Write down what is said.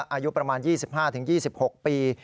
อายุประมาณ๒๕๒๖ปี